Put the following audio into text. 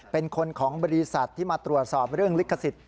เป็นคนของบริษัทที่มาตรวจสอบเรื่องลิขสิทธิ